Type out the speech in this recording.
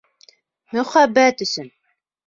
Мөхәббәт өсөн!